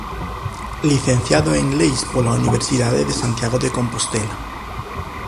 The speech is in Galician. Licenciado en Leis pola Universidade de Santiago de Compostela.